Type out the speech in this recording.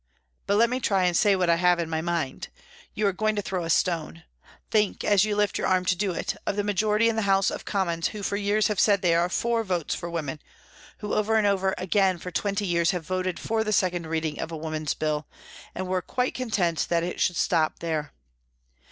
" But let me try and say what I have in my mind. You are going to throw a stone. Think, as you lift your arm to do it, of the majority in the House of Commons who for years have said they are for Votes for Women, who over and over again for twenty years have voted for the second reading of a Woman's Bill, and were quite content 208 PRISONS AND PRISONERS that it should stop there.